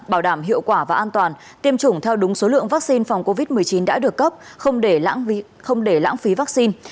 bảo đảm hiệu quả và an toàn tiêm chủng theo đúng số lượng vaccine phòng covid một mươi chín đã được cấp không để lãng phí vaccine